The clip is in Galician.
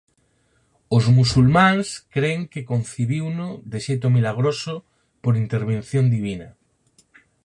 Os musulmáns cren que concibiuno de xeito milagroso por intervención divina.